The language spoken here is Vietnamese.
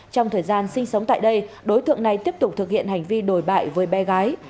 trong thời gian sinh sống tại đây đối tượng này tiếp tục thực hiện hành vi đồi bại với bé gái